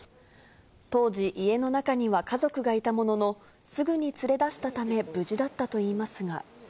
当時、家の中には家族がいたものの、すぐに連れ出したため、無事だったといいますが。